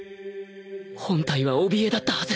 本体は「怯え」だったはず